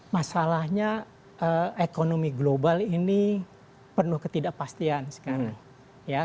masalahnya ekonomi global ini penuh ketidakpastian sekarang